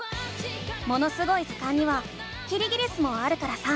「ものすごい図鑑」にはキリギリスもあるからさ